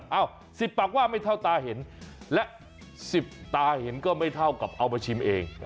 ๑๐ปากว่าไม่เท่าตาเห็นและ๑๐ตาเห็นก็ไม่เท่ากับเอามาชิมเอง